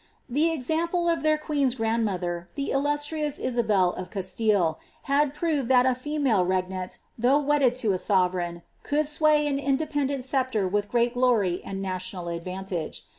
The example of their queen's grand mother, the illustrious Isabel of Castille, had proved that a female reg nant, though wedded to a sovereign, could sway an independent sceptre with great glorv and national advantage.